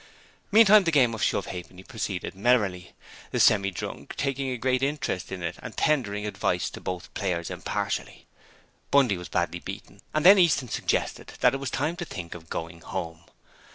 Meantime the game of shove ha'penny proceeded merrily, the Semi drunk taking a great interest in it and tendering advice to both players impartially. Bundy was badly beaten, and then Easton suggested that it was time to think of going home.